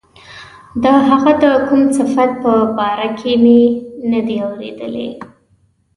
د هغه د کوم ښه صفت په باره کې مې نه دي اوریدلي.